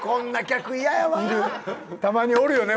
たまにおるよね。